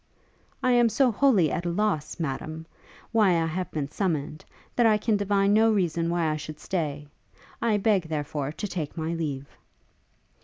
'I am so wholly at a loss, Madam, why I have been summoned, that I can divine no reason why I should stay. I beg, therefore, to take my leave.'